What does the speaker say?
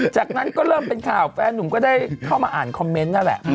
จากนั้นก็เริ่มเป็นข่าวแฟนหนุ่มก็ได้เข้ามาอ่านคอมเมนต์นั่นแหละ